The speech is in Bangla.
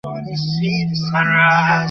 দে আমায় চাবিটা!